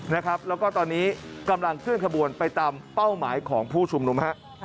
แล้วก็ตอนนี้กำลังเคลื่อนขบวนไปตามเป้าหมายของผู้ชุมนุมฮะ